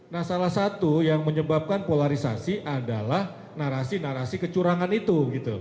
nah salah satu yang menyebabkan polarisasi adalah narasi narasi kecurangan itu